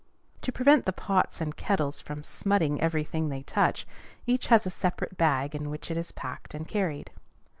To prevent the pots and kettles from smutting every thing they touch, each has a separate bag in which it is packed and carried.